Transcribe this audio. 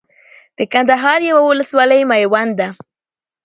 د کندهار يوه ولسوالي ميوند ده